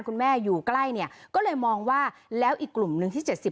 คุณแม่อยู่ใกล้เนี่ยก็เลยมองว่าแล้วอีกกลุ่มหนึ่งที่๗๐